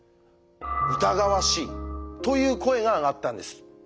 「疑わしい」という声が上がったんです。